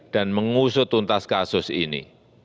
dan mengusut tuntas kasus ini